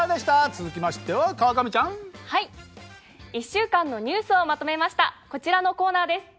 １週間のニュースをまとめましたこちらのコーナーです。